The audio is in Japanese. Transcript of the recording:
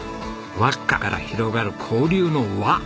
わっかから広がる交流の輪。